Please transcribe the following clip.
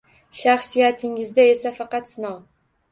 Shaxsiyatingizda esa faqat sinov